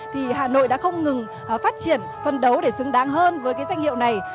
thì hà nội đã không ngừng phát triển phân đấu để xứng đáng hơn với cái danh hiệu này